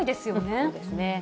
そうですね。